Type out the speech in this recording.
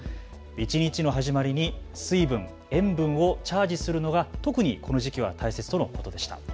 一日の始まりに水分・塩分をチャージするのが特にこの時期は大切とのことでした。